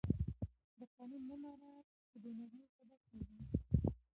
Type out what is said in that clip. د قانون نه مراعت د بې نظمي سبب کېږي